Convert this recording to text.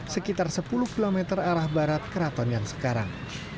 sekitar sepuluh km arah barat keraton yang sekarang